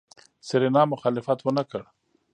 سېرېنا مخالفت ونکړ.